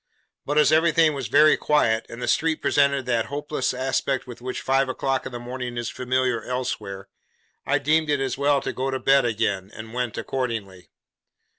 But as everything was very quiet, and the street presented that hopeless aspect with which five o'clock in the morning is familiar elsewhere, I deemed it as well to go to bed again, and went accordingly.